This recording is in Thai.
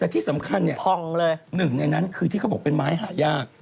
แต่ที่สำคัญเนี่ยพองเลยหนึ่งในนั้นคือที่เขาบอกเป็นไม้หายาก